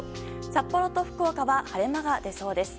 札幌と福岡は晴れ間が出そうです。